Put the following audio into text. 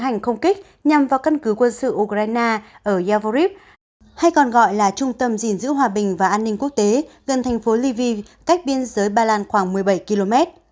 nga tiến hành không kích nhằm vào căn cứ quân sự ukraine ở yelvuriv hay còn gọi là trung tâm dịnh giữ hòa bình và an ninh quốc tế gần thành phố lviv cách biên giới ba lan khoảng một mươi bảy km